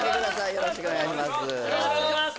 よろしくお願いします